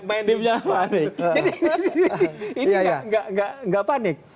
jadi ini nggak panik